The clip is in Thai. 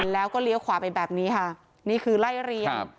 แล้วก็เลี้ยวขวาไปแบบนี้ค่ะนี่คือไล่เรียง